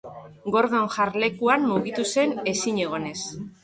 Gordon jarlekuan mugitu zen ezinegonez.